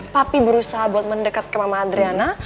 tapi berusaha buat mendekat ke mama adriana